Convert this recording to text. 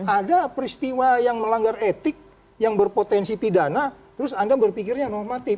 ada peristiwa yang melanggar etik yang berpotensi pidana terus anda berpikirnya normatif